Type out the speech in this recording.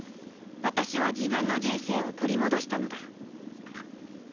私は自分の人生を取り戻したのだ